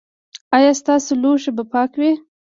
ایا ستاسو لوښي به پاک وي؟